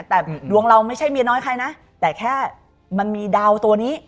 แต่ดวงเราไม่ใช่เมียน้อยใครนะแต่แค่มันมีดาวตัวนี้